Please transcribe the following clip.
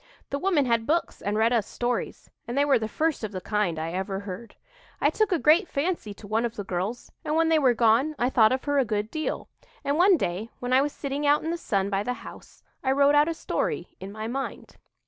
The woman had books and read us stories, and they were the first of the kind I ever heard. I took a great fancy to one of the girls; and when they were gone I thought of her a good deal, and one day, when I was sitting out in the sun by the house, I wrote out a story in my mind.